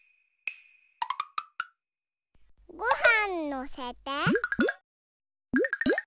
ごはんのせて。